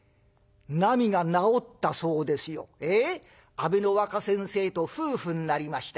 阿部の若先生と夫婦になりました。